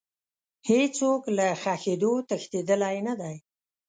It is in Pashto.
هیڅ څوک له ښخېدو تښتېدلی نه دی.